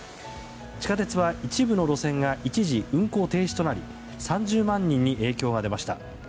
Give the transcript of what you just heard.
地下鉄は一部の路線が一時運行停止となり３０万人に影響が出ました。